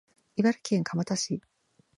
茨城県鉾田市